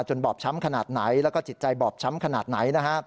บอบช้ำขนาดไหนแล้วก็จิตใจบอบช้ำขนาดไหนนะฮะ